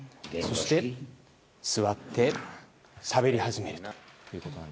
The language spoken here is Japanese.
そして、座ってしゃべり始めると。